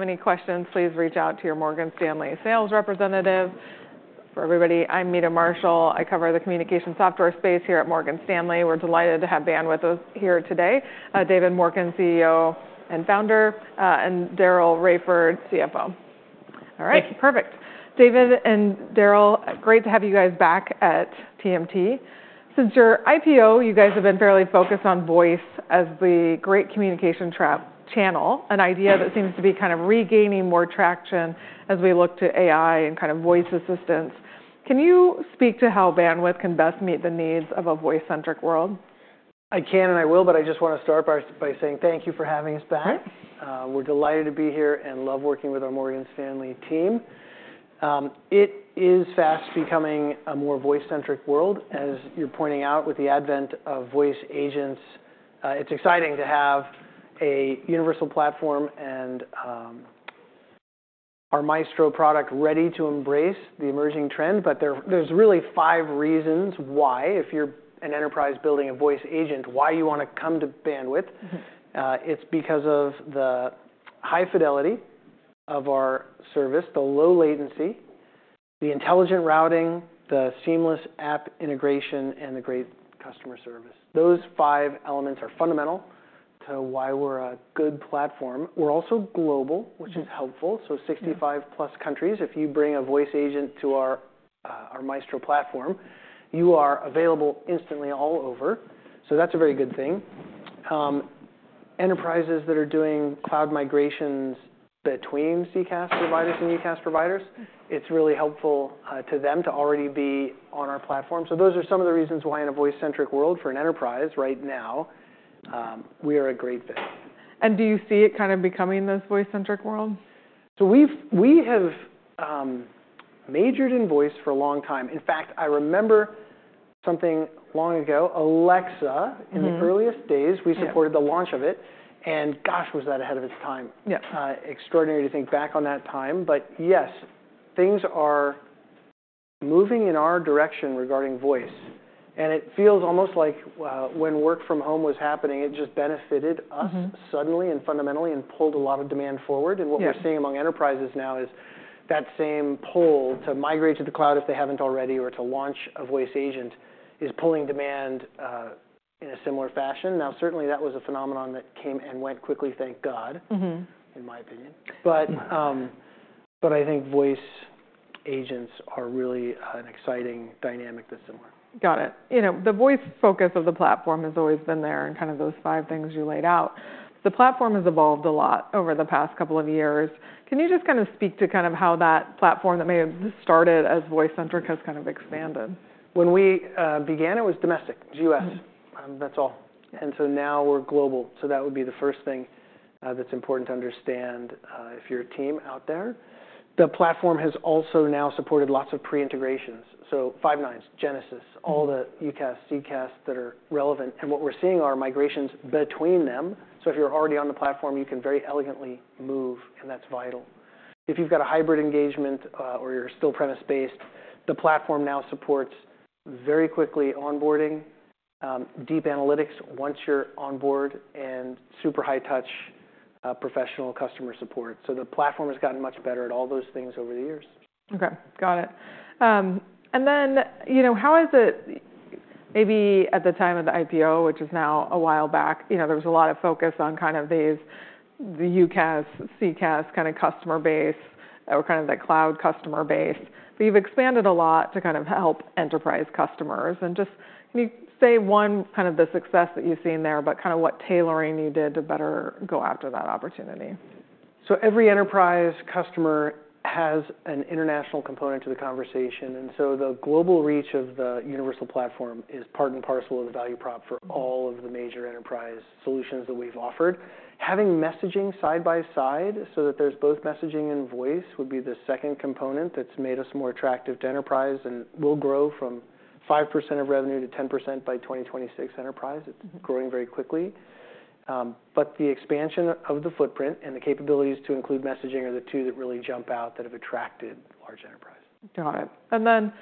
Any questions, please reach out to your Morgan Stanley sales representative. For everybody, I'm Meta Marshall. I cover the communication software space here at Morgan Stanley. We're delighted to have Bandwidth here today. David Morken, CEO and Founder, and Daryl Raiford, CFO. All right. Perfect. David and Daryl, great to have you guys back at TMT. Since your IPO, you guys have been fairly focused on voice as the great communication channel, an idea that seems to be kind of regaining more traction as we look to AI and kind of voice assistance. Can you speak to how Bandwidth can best meet the needs of a voice-centric world? I can, and I will, but I just want to start by saying thank you for having us back. We're delighted to be here and love working with our Morgan Stanley team. It is fast becoming a more voice-centric world, as you're pointing out, with the advent of voice agents. It's exciting to have a universal platform and our Maestro product ready to embrace the emerging trend. There are really five reasons why, if you're an enterprise building a voice agent, you want to come to Bandwidth. It's because of the high fidelity of our service, the low latency, the intelligent routing, the seamless app integration, and the great customer service. Those five elements are fundamental to why we're a good platform. We're also global, which is helpful so 65-plus countries, if you bring a voice agent to our Maestro platform, you are available instantly all over. So that's a very good thing. Enterprises that are doing cloud migrations between CCaaS providers and UCaaS providers, it's really helpful to them to already be on our platform. Those are some of the reasons why, in a voice-centric world for an enterprise right now, we are a great fit. Do you see it kind of becoming this voice-centric world? So, we have majored in voice for a long time. In fact, I remember something long ago, Alexa, in the earliest days, we supported the launch of it. Gosh, was that ahead of its time. Extraordinary to think back on that time. Yes, things are moving in our direction regarding voice. It feels almost like when work from home was happening, it just benefited us suddenly and fundamentally and pulled a lot of demand forward. What we're seeing among enterprises now is that same pull to migrate to the cloud if they haven't already or to launch a voice agent is pulling demand in a similar fashion. Certainly, that was a phenomenon that came and went quickly, thank God, in my opinion. But I think voice agents are really an exciting dynamic that's similar. Got it. The voice focus of the platform has always been there in kind of those five things you laid out. The platform has evolved a lot over the past couple of years. Can you just kind of speak to kind of how that platform that may have started as voice-centric has kind of expanded? When we began, it was domestic, U.S. That's all. Now we're global. That would be the first thing that's important to understand if you're a team out there. The platform has also now supported lots of pre-integrations. Five9, Genesys, all the UCaaS, CCaaS that are relevant. And what we're seeing are migrations between them. If you're already on the platform, you can very elegantly move, and that's vital. If you've got a hybrid engagement or you're still premise-based, the platform now supports very quickly onboarding, deep analytics once you're on board, and super high-touch professional customer support. The platform has gotten much better at all those things over the years. Okay, got it. And then, how has it, maybe at the time of the IPO, which is now a while back, there was a lot of focus on kind of the UCaaS, CCaaS kind of customer base or kind of that cloud customer base. You have expanded a lot to kind of help enterprise customers. Just can you say one, kind of the success that you have seen there, but kind of what tailoring you did to better go after that opportunity? So, every enterprise customer has an international component to the conversation. So, the global reach of the universal platform is part and parcel of the value prop for all of the major enterprise solutions that we've offered. Having messaging side by side so that there's both messaging and voice would be the second component that's made us more attractive to enterprise and will grow from 5% of revenue to 10% by 2026 enterprise. It's growing very quickly. But the expansion of the footprint and the capabilities to include messaging are the two that really jump out that have attracted large enterprises. Got it. And then,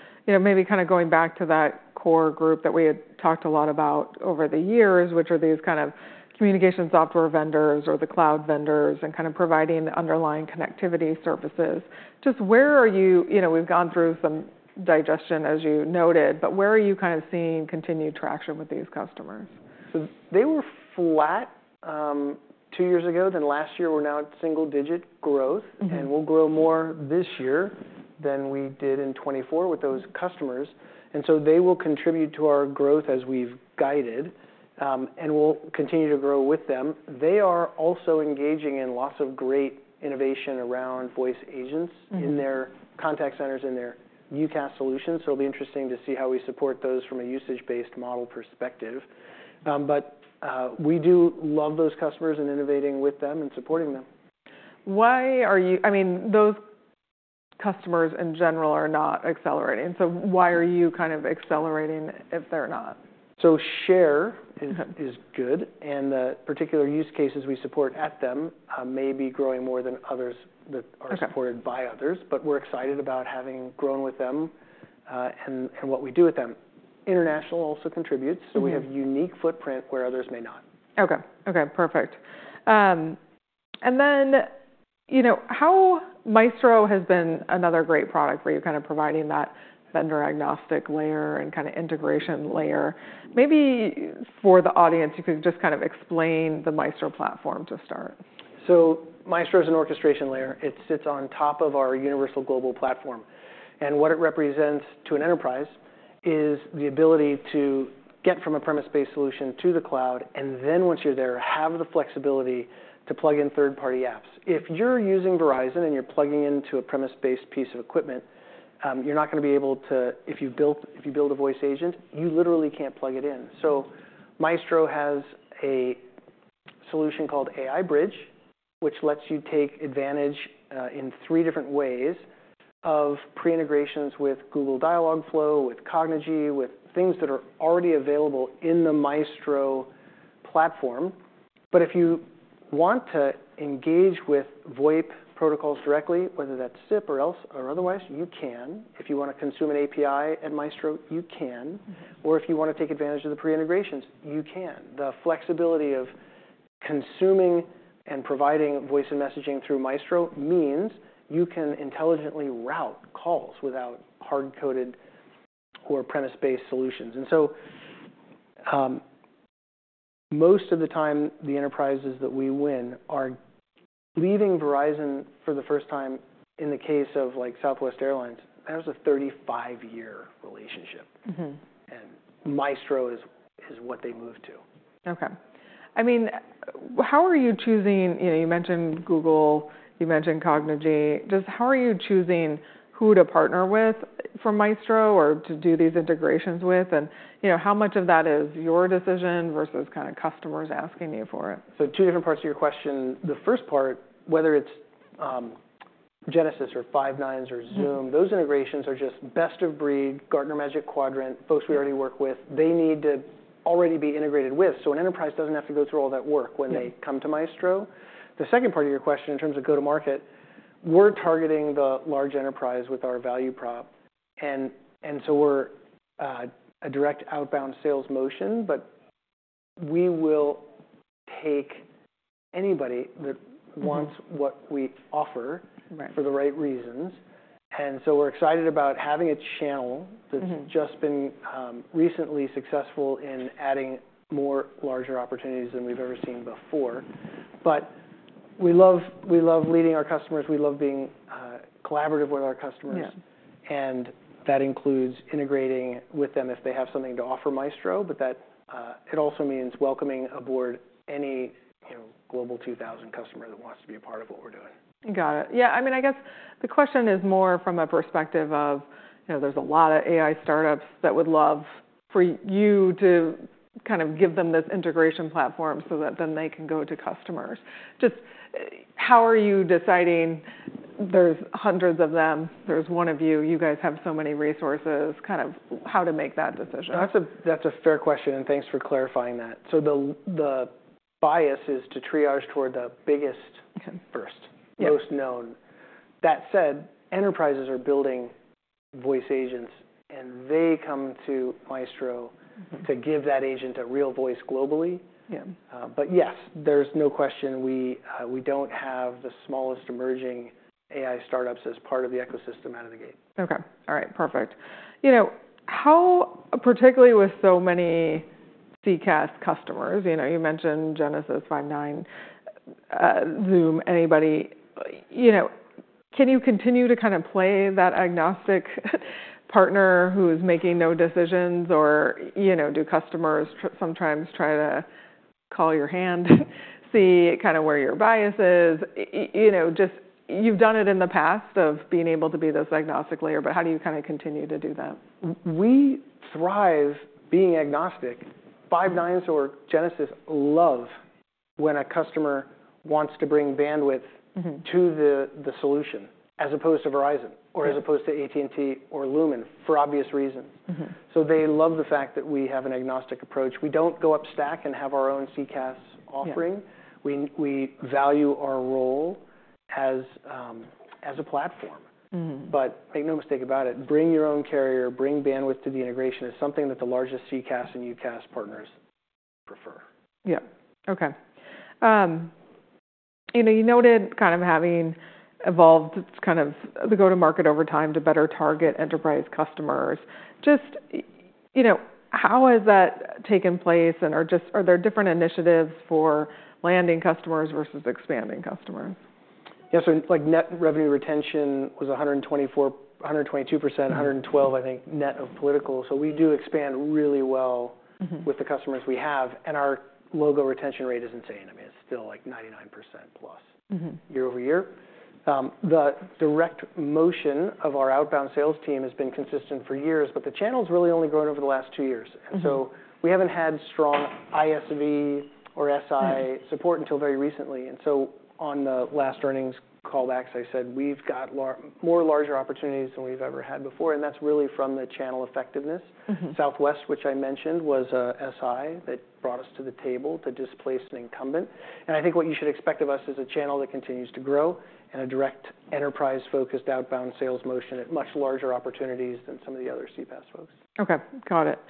maybe kind of going back to that core group that we had talked a lot about over the years, which are these kind of communication software vendors or the cloud vendors and kind of providing underlying connectivity services. Just where are you? You know, we've gone through some digestion, as you noted, but where are you kind of seeing continued traction with these customers? They were flat two years ago. Then last year, we're now at single-digit growth. We'll grow more this year than we did in 2024 with those customers. They will contribute to our growth as we've guided and will continue to grow with them. They are also engaging in lots of great innovation around voice agents in their contact centers, in their UCaaS solutions. It'll be interesting to see how we support those from a usage-based model perspective. We do love those customers and innovating with them and supporting them. Why are you, I mean, those customers in general are not accelerating. So why are you kind of accelerating if they're not? So share is good. The particular use cases we support at them may be growing more than others that are supported by others. We are excited about having grown with them and what we do with them. International also contributes. We have a unique footprint where others may not. Okay, Okay, perfect. And then how, you know, how Maestro has been another great product for you, kind of providing that vendor agnostic layer and kind of integration layer. Maybe for the audience, if you could just kind of explain the Maestro platform to start. Maestro is an orchestration layer. It sits on top of our universal global platform. What it represents to an enterprise is the ability to get from a premise-based solution to the cloud and then, once you're there, have the flexibility to plug in third-party apps. If you're using Verizon and you're plugging into a premise-based piece of equipment, you're not going to be able to, if you build a voice agent, you literally can't plug it in. Maestro has a solution called AI Bridge, which lets you take advantage in three different ways of pre-integrations with Google Dialogflow, with Cognigy, with things that are already available in the Maestro platform. If you want to engage with VoIP protocols directly, whether that's SIP or else or otherwise, you can. If you want to consume an API at Maestro, you can. If you want to take advantage of the pre-integrations, you can. The flexibility of consuming and providing voice and messaging through Maestro means you can intelligently route calls without hard-coded or premise-based solutions. So, most of the time, the enterprises that we win are leaving Verizon for the first time. In the case of Southwest Airlines, that was a 35-year relationship. Maestro is what they moved to. Okay. I mean, how are you choosing? You mentioned Google. You mentioned Cognigy. Just how are you choosing who to partner with for Maestro or to do these integrations with? And how much of that is your decision versus kind of customers asking you for it? Two different parts of your question. The first part, whether it's Genesys or Five9 or Zoom, those integrations are just best of breed, Gartner Magic Quadrant, folks we already work with. They need to already be integrated with. An enterprise doesn't have to go through all that work when they come to Maestro. The second part of your question, in terms of go-to-market, we're targeting the large enterprise with our value prop. We're a direct outbound sales motion. We will take anybody that wants what we offer for the right reasons. We're excited about having a channel that's just been recently successful in adding more larger opportunities than we've ever seen before. We love leading our customers. We love being collaborative with our customers. That includes integrating with them if they have something to offer Maestro. But that, it also means welcoming aboard any Global 2000 customer that wants to be a part of what we're doing. Got it. Yeah, I mean, I guess the question is more from a perspective of there's a lot of AI startups that would love for you to kind of give them this integration platform so that then they can go to customers. Just how are you deciding, there's hundreds of them, there's one of you, you guys have so many resources? Kind of how to make that decision? That's a fair question. Thanks for clarifying that. The bias is to triage toward the biggest first, most known. That said, enterprises are building voice agents. They come to Maestro to give that agent a real voice globally. Yes, there's no question we don't have the smallest emerging AI startups as part of the ecosystem out of the gate. Okay, all right, perfect. Particularly with so many CCaaS customers, you mentioned Genesys, Five9, Zoom, anybody, you know, can you continue to kind of play that agnostic partner who is making no decisions? you know or do customers sometimes try to call your hand, see kind of where your bias is? Just you've done it in the past of being able to be this agnostic layer. But how do you kind of continue to do that? We thrive being agnostic. Five9 or Genesys love when a customer wants to bring Bandwidth to the solution as opposed to Verizon or as opposed to AT&T or Lumen for obvious reasons. They love the fact that we have an agnostic approach. We do not go upstack and have our own CCaaS offering. We value our role as a platform. But make no mistake about it, bring your own carrier, bring Bandwidth to the integration is something that the largest CCaaS and UCaaS partners prefer. Yeah, Okay. You know, you noted kind of having evolved this kind of the go-to-market over time to better target enterprise customers. Just you know, how has that taken place? Are there different initiatives for landing customers versus expanding customers? Yeah, so net revenue retention was 124%, 122%, 112%, I think, net of political. We do expand really well with the customers we have. Our logo retention rate is insane. I mean, it's still like 99% plus year-over-year. The direct motion of our outbound sales team has been consistent for years. But the channel's really only grown over the last two years. We haven't had strong ISV or SI support until very recently. On the last earnings callbacks, I said we've got more larger opportunities than we've ever had before. And that's really from the channel effectiveness. Southwest, which I mentioned, was an SI that brought us to the table to displace an incumbent. I think what you should expect of us is a channel that continues to grow and a direct enterprise-focused outbound sales motion at much larger opportunities than some of the other CPaaS folks. OK, got it.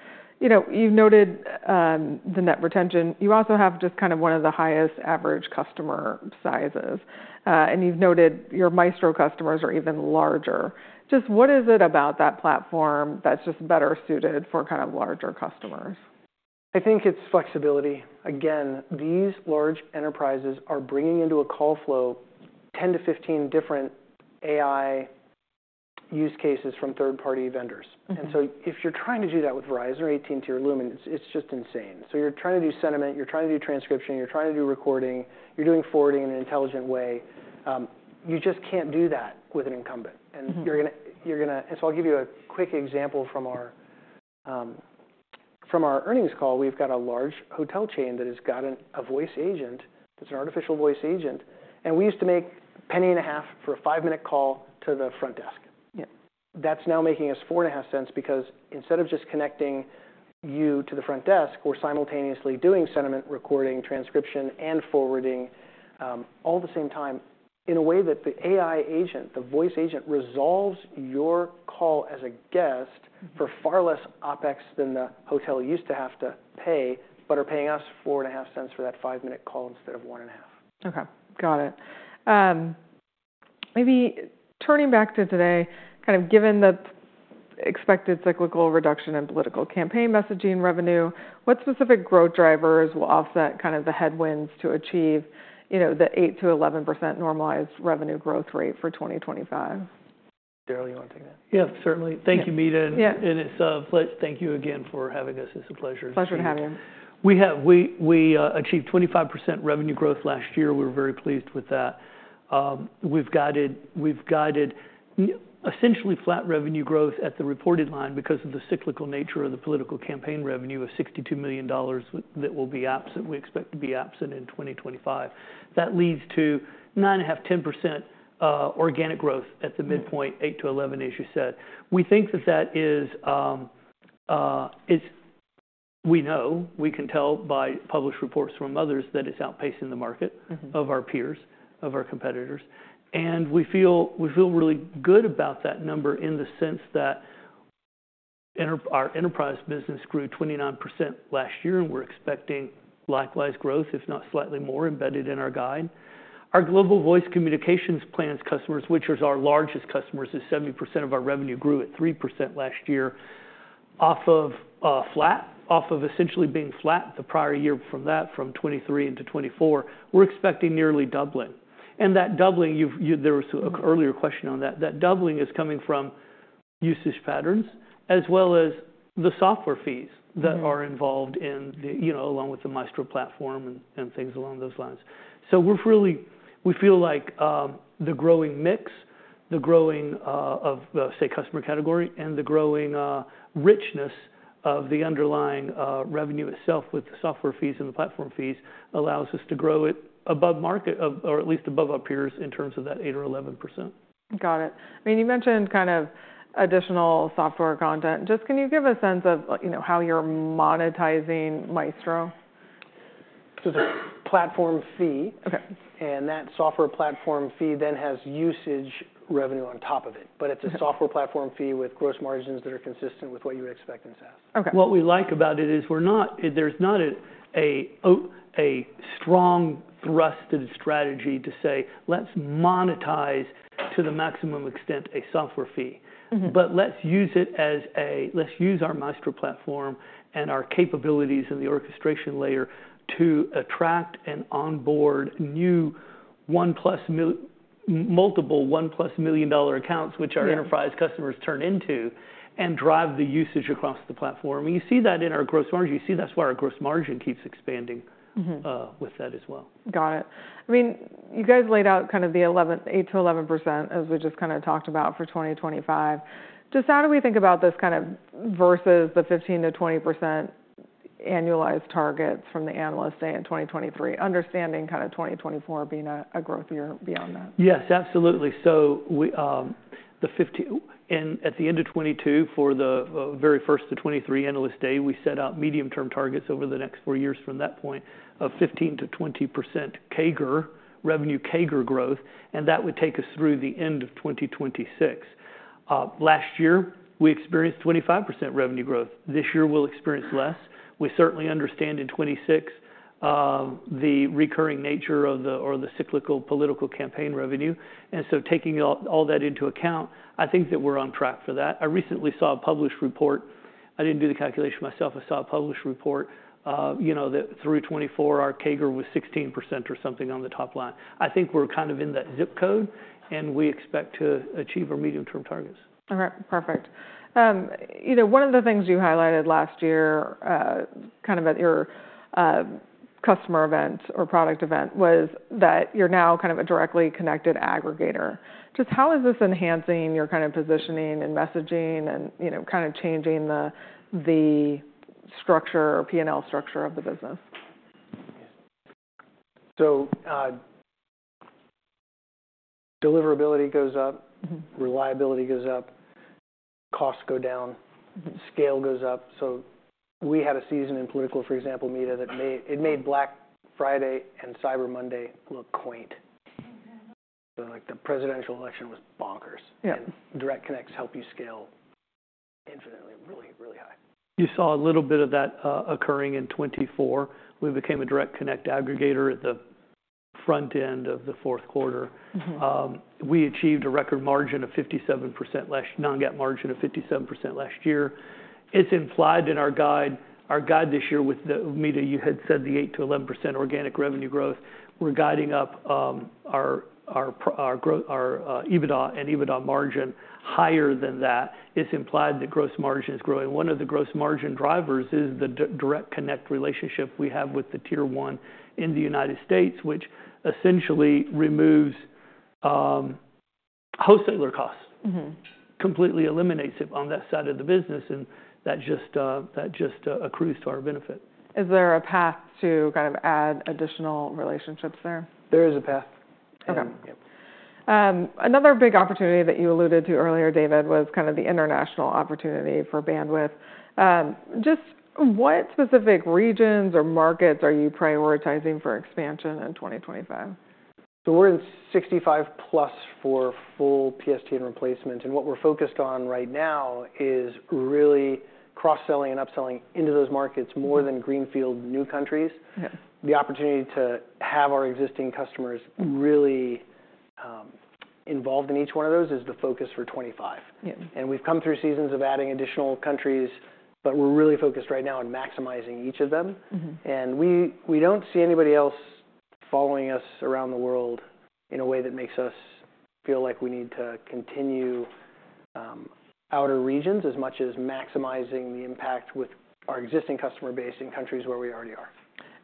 You've noted the net retention. You also have just kind of one of the highest average customer sizes. And you've noted your Maestro customers are even larger. Just what is it about that platform that's just better suited for kind of larger customers? I think it's flexibility. Again, these large enterprises are bringing into a call flow 10 to 15 different AI use cases from third-party vendors. If you're trying to do that with Verizon or AT&T or Lumen, it's just insane. You're trying to do sentiment, you're trying to do transcription, you're trying to do recording, you're doing forwarding in an intelligent way. You just can't do that with an incumbent. I'll give you a quick example from our earnings call. We've got a large hotel chain that has gotten a voice agent that's an artificial voice agent. We used to make a penny and a half for a five-minute call to the front desk. That's now making us $0.045 because instead of just connecting you to the front desk, we're simultaneously doing sentiment, recording, transcription, and forwarding all at the same time in a way that the AI agent, the voice agent, resolves your call as a guest for far less OPEX than the hotel used to have to pay, but are paying us $0.045 for that five-minute call instead of $0.015. Okay, got it. Maybe turning back to today, kind of given the expected cyclical reduction in political campaign messaging revenue, what specific growth drivers will offset kind of the headwinds to achieve the 8%-11% normalized revenue growth rate for 2025? Daryl, you want to take that? Yeah, certainly. Thank you, Meta. And it's a pleasure. Thank you again for having us. It's a pleasure. Pleasure to have you. We achieved 25% revenue growth last year. We were very pleased with that. We've guided essentially flat revenue growth at the reported line because of the cyclical nature of the political campaign revenue of $62 million that will be absent, we expect to be absent in 2025. That leads to 9.5%-10% organic growth at the midpoint, 8%-11%, as you said. We think that that is, we know, we can tell by published reports from others that it's outpacing the market of our peers, of our competitors. We feel really good about that number in the sense that our enterprise business grew 29% last year. We're expecting likewise growth, if not slightly more, embedded in our guide. Our global voice communications plans customers, which are our largest customers, is 70% of our revenue, grew at 3% last year off of flat, off of essentially being flat the prior year from that, from 2023 into 2024. We're expecting nearly doubling. And that doubling, there was an earlier question on that, that doubling is coming from usage patterns as well as the software fees that are involved and you know, along with the Maestro platform and things along those lines. So really, we feel like the growing mix, the growing of the, say, customer category and the growing richness of the underlying revenue itself with the software fees and the platform fees allows us to grow it above market or at least above our peers in terms of that 8% or 11%. Got it. I mean, you mentioned kind of additional software content. Just can you give a sense of how you're monetizing Maestro? There is a platform fee. That software platform fee then has usage revenue on top of it. But it is a software platform fee with gross margins that are consistent with what you would expect in SaaS. What we like about it is there's not a strong thrusted strategy to say, let's monetize to the maximum extent a software fee. Let's use it as a, let's use our Maestro platform and our capabilities in the orchestration layer to attract and onboard new one-plus, multiple one-plus million dollar accounts, which our enterprise customers turn into, and drive the usage across the platform. You see that in our gross margin. You see that's why our gross margin keeps expanding with that as well. Got it. I mean, you guys laid out kind of the 8%-11%, as we just kind of talked about, for 2025. Just how do we think about this kind of versus the 15%-20% annualized targets from the analyst day in 2023, understanding kind of 2024 being a growth year beyond that? Yes, absolutely. So, at the end of 2022, for the very first of 2023 analyst day, we set out medium-term targets over the next four years from that point of 15%-20% revenue CAGR growth. And that would take us through the end of 2026. Last year, we experienced 25% revenue growth. This year, we'll experience less. We certainly understand in 2026 the recurring nature of the cyclical political campaign revenue. And so taking all that into account, I think that we're on track for that. I recently saw a published report. I didn't do the calculation myself. I saw a published report that through 2024, our CAGR was 16% or something on the top line. I think we're kind of in that zip code. We expect to achieve our medium-term targets. All right, perfect. You know, one of the things you highlighted last year kind of at your customer event or product event was that you're now kind of a directly connected aggregator. Just how is this enhancing your kind of positioning and messaging and kind of changing the structure or P&L structure of the business? So, deliverability goes up, reliability goes up, costs go down, scale goes up. We had a season in political, for example, Meta, that made Black Friday and Cyber Monday look quaint. The presidential election was bonkers. Direct connects help you scale infinitely, really, really high. You saw a little bit of that occurring in 2024. We became a direct connect aggregator at the front end of the fourth quarter. We achieved a record margin of 57%, non-GAAP margin of 57% last year. It's implied in our guide. Our guide this year, Meta, you had said the 8%-11% organic revenue growth. We're guiding up our EBITDA and EBITDA margin higher than that. It's implied that gross margin is growing. One of the gross margin drivers is the direct connect relationship we have with the Tier one in the United States, which essentially removes wholesaler costs, completely eliminates it on that side of the business. That just, that just accrues to our benefit. Is there a path to kind of add additional relationships there? There is a path. Okay. Another big opportunity that you alluded to earlier, David, was kind of the international opportunity for Bandwidth. Just what specific regions or markets are you prioritizing for expansion in 2025? We're in 65 plus for full PSTN replacement. What we're focused on right now is really cross-selling and upselling into those markets more than greenfield new countries. The opportunity to have our existing customers really involved in each one of those is the focus for 2025. We've come through seasons of adding additional countries. We're really focused right now on maximizing each of them. We don't see anybody else following us around the world in a way that makes us feel like we need to continue outer regions as much as maximizing the impact with our existing customer base in countries where we already are.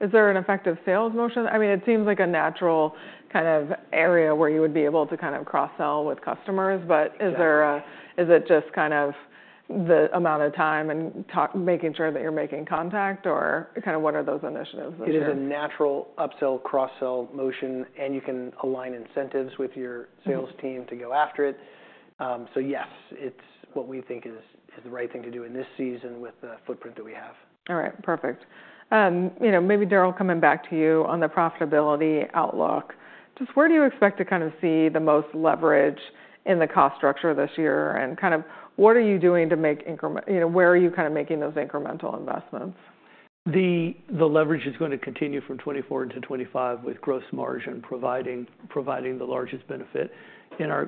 Is there an effective sales motion? I mean, it seems like a natural kind of area where you would be able to kind of cross-sell with customers. But is there, is it just kind of the amount of time and making sure that you're making contact? Or what are those initiatives? It is a natural upsell, cross-sell motion. You can align incentives with your sales team to go after it. Yes, it is what we think is the right thing to do in this season with the footprint that we have. All right, perfect. Maybe, Daryl, coming back to you on the profitability outlook, just where do you expect to kind of see the most leverage in the cost structure this year? What are you doing to make increment, where are you kind of making those incremental investments? The leverage is going to continue from 2024 into 2025 with gross margin providing the largest benefit.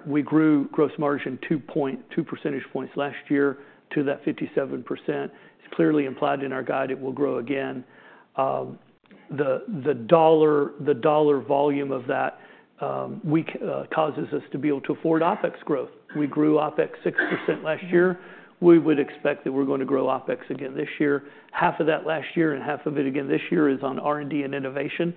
We grew gross margin 2 percentage points last year to that 57%. It is clearly implied in our guide it will grow again. The dollar volume of that causes us to be able to afford OPEX growth. We grew OPEX 6% last year. We would expect that we are going to grow OPEX again this year. Half of that last year and half of it again this year is on R&D and innovation.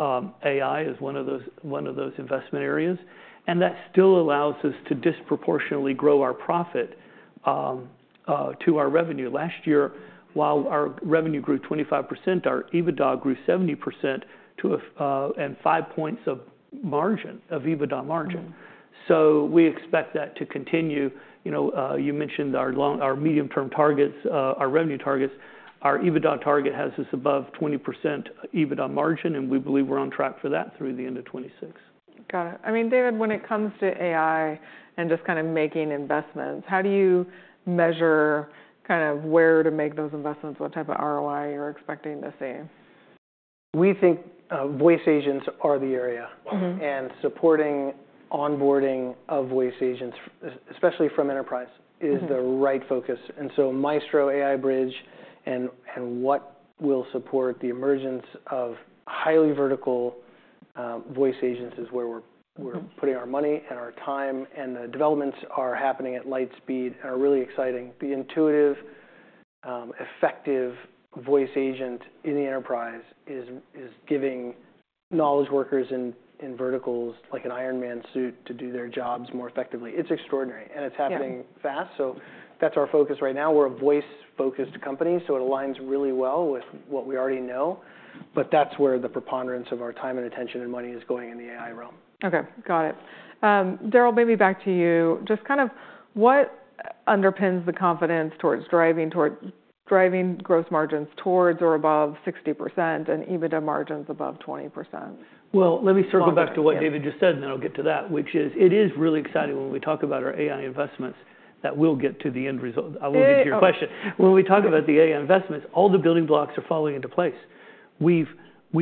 AI is one of those investment areas. That still allows us to disproportionately grow our profit to our revenue. Last year, while our revenue grew 25%, our EBITDA grew 70% and 5 points of margin, of EBITDA margin. We expect that to continue. You know, you mentioned our medium-term targets, our revenue targets. Our EBITDA target has us above 20% EBITDA margin. And we believe we're on track for that through the end of 2026. Got it. I mean, David, when it comes to AI and just kind of making investments, how do you measure kind of where to make those investments, what type of ROI you're expecting to see? We think voice agents are the area. Supporting onboarding of voice agents, especially from enterprise, is the right focus. Maestro, AI Bridge, and what will support the emergence of highly vertical voice agents is where we're putting our money and our time. The developments are happening at light speed and are really exciting. The intuitive, effective voice agent in the enterprise is giving knowledge workers in verticals like an Iron Man suit to do their jobs more effectively. It's extraordinary. It's happening fast. So that's our focus right now. We're a voice-focused company. It aligns really well with what we already know. But that's where the preponderance of our time and attention and money is going in the AI realm. Okay, got it. Daryl, maybe back to you. Just kind of what underpins the confidence towards driving gross margins towards or above 60% and EBITDA margins above 20%? Well, let me circle back to what David just said. I will get to that, which is it is really exciting when we talk about our AI investments that we will get to the end result. When we talk about the AI investments, all the building blocks are falling into place. We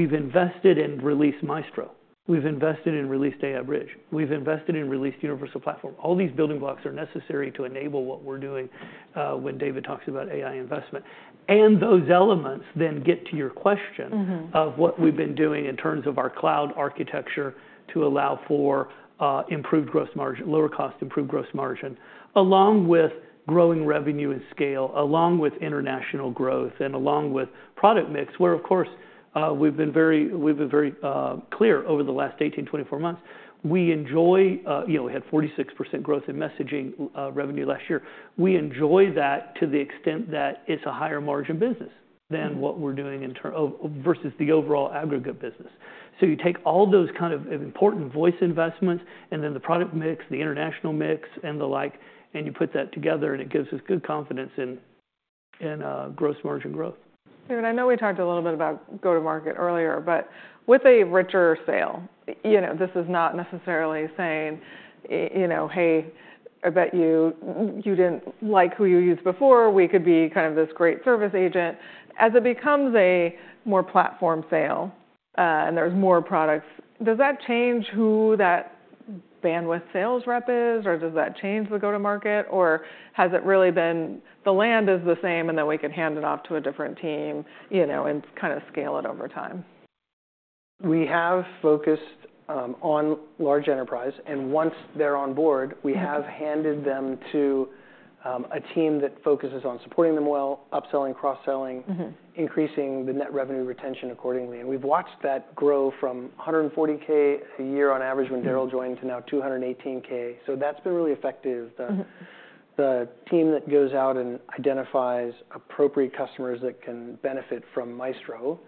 have invested in released Maestro. We have invested in released AI Bridge. We have invested in released Universal Platform. All these building blocks are necessary to enable what we are doing when David talks about AI investment. Those elements then get to your question of what we have been doing in terms of our cloud architecture to allow for improved gross margin, lower cost, improved gross margin, along with growing revenue and scale, along with international growth, and along with product mix, where, of course, we have been very clear over the last 18-24 months. We enjoy, we had 46% growth in messaging revenue last year. We enjoy that to the extent that it's a higher margin business than what we're doing versus the overall aggregate business. You take all those kind of important voice investments and then the product mix, the international mix, and the like, and you put that together. It gives us good confidence in gross margin growth. David, I know we talked a little bit about go-to-market earlier. But with a richer sale, you know, this is not necessarily saying, you know, hey, I bet you you did not like who you used before. We could be kind of this great service agent. As it becomes a more platform sale and there are more products, does that change who that Bandwidth sales rep is? Does that change the go-to-market? Has it really been the land is the same, and then we can hand it off to a different team, you know, and kind of scale it over time? We have focused on large enterprise. And once they're on board, we have handed them to a team that focuses on supporting them well, upselling, cross-selling, increasing the net revenue retention accordingly. We have watched that grow from $140,000 a year on average when Daryl joined to now $218,000. That has been really effective. The team that goes out and identifies appropriate customers that can benefit from Maestro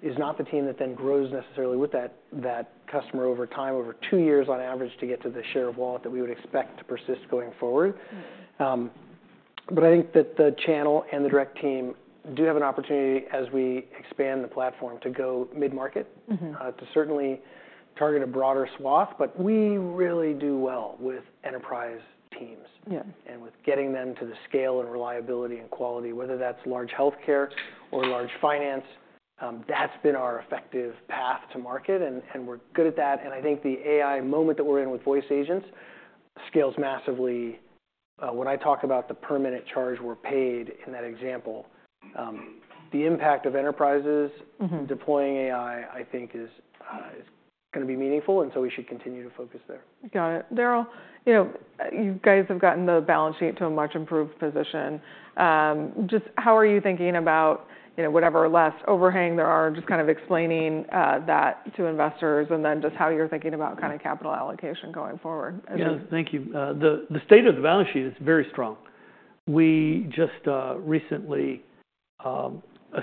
is not the team that then grows necessarily with that customer over time, over two years on average, to get to the share of wallet that we would expect to persist going forward. I think that the channel and the direct team do have an opportunity, as we expand the platform, to go mid-market, to certainly target a broader swath. But we really do well with enterprise teams and with getting them to the scale and reliability and quality, whether that's large health care or large finance. That's been our effective path to market. And we're good at that. I think the AI moment that we're in with voice agents scales massively. When I talk about the permanent charge we're paid in that example, the impact of enterprises deploying AI, I think, is going to be meaningful. We should continue to focus there. Got it. Daryl, you guys have gotten the balance sheet to a much improved position. Just how are you thinking about whatever last overhang there are, just kind of explaining that to investors and then just how you're thinking about kind of capital allocation going forward? Yeah, thank you. The state of the balance sheet is very strong. We just recently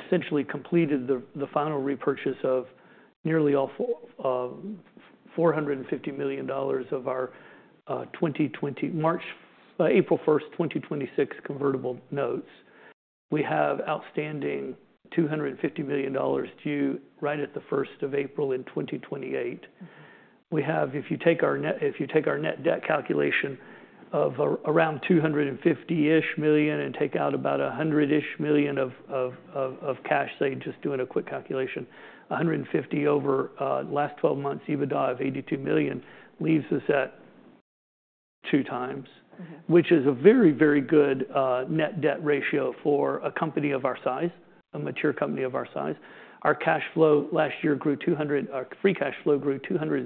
essentially completed the final repurchase of nearly $450 million of our April 1, 2026 convertible notes. We have outstanding $250 million due right at the first of April in 2028. If you take our net debt calculation of around 250-ish million and take out about 100-ish million of cash, say, just doing a quick calculation, 150 over last 12 months EBITDA of $82 million leaves us at two times, which is a very, very good net debt ratio for a company of our size, a mature company of our size. Our cash flow last year grew, our free cash flow grew 206%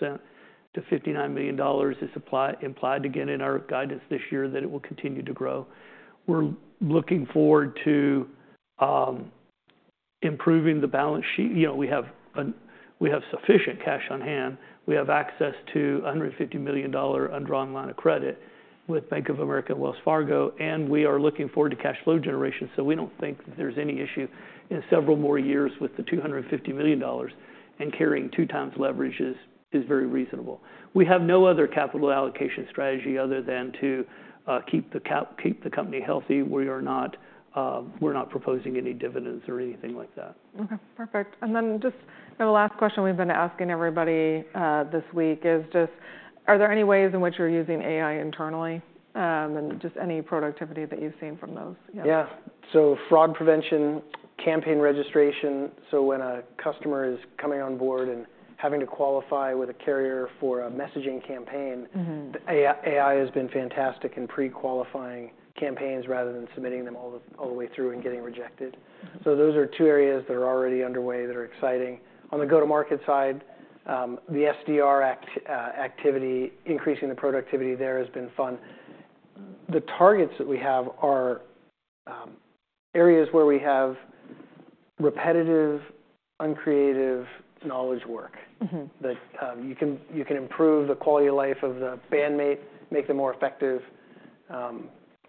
to $59 million. It's implied again in our guidance this year that it will continue to grow. We're looking forward to improving the balance sheet. You know, we have sufficient cash on hand. We have access to $150 million undrawn line of credit with Bank of America and Wells Fargo. We are looking forward to cash flow generation. We do not think there is any issue in several more years with the $250 million. Carrying two times leverage is very reasonable. We have no other capital allocation strategy other than to keep the company healthy. We are not proposing any dividends or anything like that. Okay, perfect. And then just the last question we've been asking everybody this week is just, are there any ways in which you're using AI internally and just any productivity that you've seen from those? Yeah. So fraud prevention, campaign registration. When a customer is coming on board and having to qualify with a carrier for a messaging campaign, AI has been fantastic in pre-qualifying campaigns rather than submitting them all the way through and getting rejected. So those are two areas that are already underway that are exciting. On the go-to-market side, the SDR activity, increasing the productivity there has been fun. The targets that we have are areas where we have repetitive, uncreative knowledge work that you can improve the quality of life of the bandmate, make them more effective.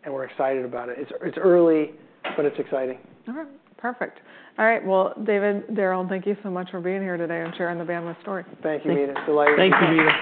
We're excited about it. It's early, but it's exciting. Okay, perfect. All right. David, Daryl, thank you so much for being here today and sharing the Bandwidth story. Thank you, Meta. Thank you, Meta.